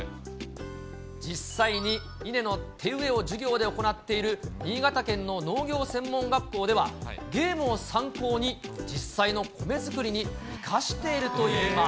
実際に稲の手植えを授業で行っている、新潟県の農業専門学校では、ゲームを参考に、実際の米作りに生かしているといいます。